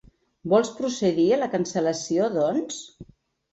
Vols procedir a la cancel·lacio, doncs?